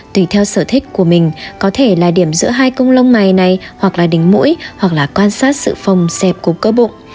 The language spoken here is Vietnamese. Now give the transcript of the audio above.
tùy theo sở thích của mình có thể là điểm giữa hai công lông mày này hoặc là đỉnh mũi hoặc là quan sát sự phòng xẹp của cỡ bụng